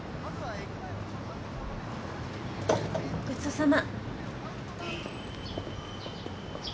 ごちそうさま。